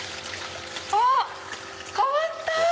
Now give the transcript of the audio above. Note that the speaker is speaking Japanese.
あっ変わった！